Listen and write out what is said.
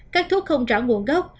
các thuốc không rõ nguồn gốc